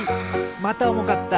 またおもかった。